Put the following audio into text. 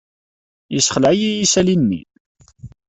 Yessexleɛ-iyi yisali-nni.